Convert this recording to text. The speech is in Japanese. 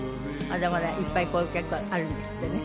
まだまだいっぱいこういう曲があるんですってね。